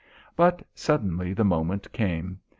But suddenly the moment came.